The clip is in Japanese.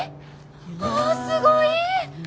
あすごい！